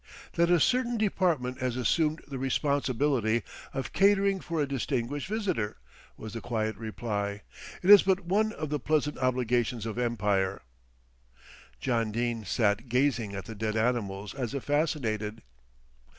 "That a certain Department has assumed the responsibility of catering for a distinguished visitor," was the quiet reply. "It is but one of the pleasant obligations of empire." John Dene sat gazing at the dead animals as if fascinated.